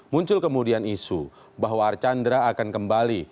muncul kemudian isu bahwa archandra akan kembali